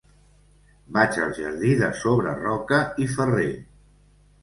Vaig al jardí de Sobreroca i Ferrer.